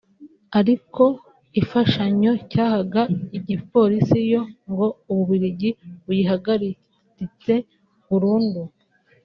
ariko imfashanyo cyahaga igipolisi yo ngo u Bubirigi buyihagaritse burundu